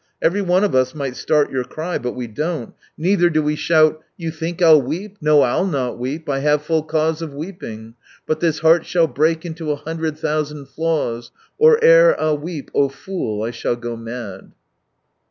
Everyone of us might start your cry — but we don't, neither do we shout : 96 — fou think I'll weep ; No, I'll not zoeep : I have full cause of tveeping, But this heart shall break into a hundred thousand flaws. Or ere I'll weep ; Fool, I shall go mad."